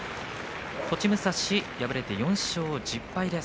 栃武蔵は敗れて４勝１０敗です。